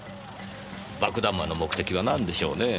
爆弾魔の目的は何でしょうねぇ。